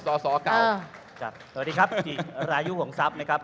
สวัสดีครับจิรายุห่วงทรัพย์นะครับ